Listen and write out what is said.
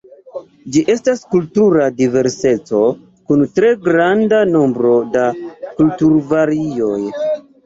Ĝi estas kultura diverseco kun tre granda nombro da kulturvarioj.